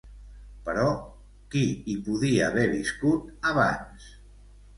Però, qui hi podia haver viscut abans?